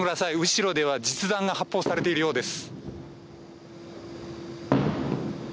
後ろでは実弾が発砲されているようです。